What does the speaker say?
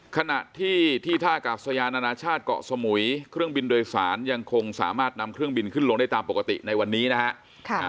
ขณะที่ที่ท่ากาศยานานาชาติเกาะสมุยเครื่องบินโดยสารยังคงสามารถนำเครื่องบินขึ้นลงได้ตามปกติในวันนี้นะฮะ